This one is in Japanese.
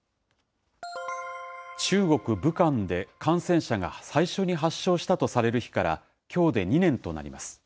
中国・武漢で感染者が最初に発症したとされる日から、きょうで２年となります。